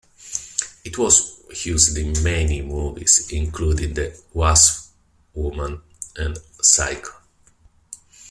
It was used in many movies, including "The Wasp Woman" and "Psycho".